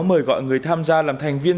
mời gọi người tham gia làm thành viên